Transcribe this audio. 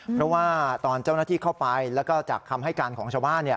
เพราะว่าตอนเจ้าหน้าที่เข้าไปแล้วก็จากคำให้การของชาวบ้าน